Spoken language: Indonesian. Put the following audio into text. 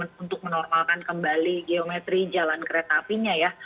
untuk menormalkan kembali geometri jalan kereta apinya ya